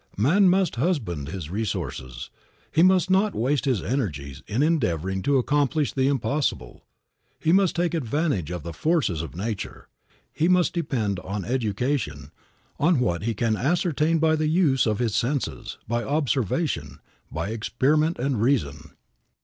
Man must husband his resources. He must not waste his energies in endeavoring to accomplish the impossible. He must take advantage of the forces of nature. He must depend on education, on what he can ascertain by the use of his senses, by observation, by experiment and reason.